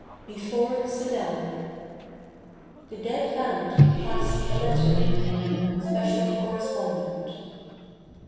BEFORE SEDAN. "The dead hand clasped a letter." SPECIAL CORRESPONDENT.